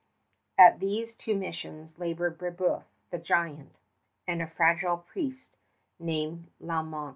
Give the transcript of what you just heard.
At these two missions labored Brébeuf, the giant, and a fragile priest named Lalemant.